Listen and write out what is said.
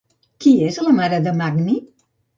Qui és la mare de Magni?